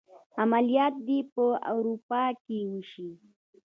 عملیات دې په اروپا کې وشي.